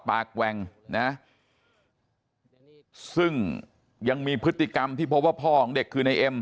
แหว่งนะซึ่งยังมีพฤติกรรมที่พบว่าพ่อของเด็กคือในเอ็ม